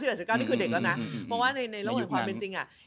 เพราะว่าในโลกอลฟรรณเป็นจริง